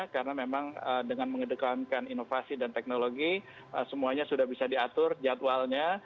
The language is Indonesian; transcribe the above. karena memang dengan mengedepankan inovasi dan teknologi semuanya sudah bisa diatur jadwalnya